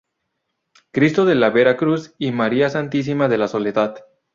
Cristo de la Vera Cruz y María Santísima de la Soledad"'.